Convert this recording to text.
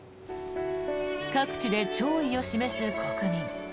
各地で弔意を示す国民。